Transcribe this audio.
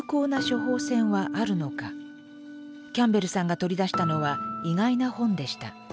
キャンベルさんが取り出したのは意外な本でした。